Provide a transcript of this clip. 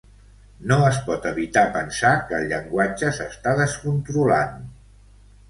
No es pot evitar pensar que el llenguatge s'està descontrolant.